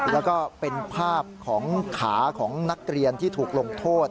แล้วก็เป็นภาพของขาของนักเรียนที่ถูกลงโทษ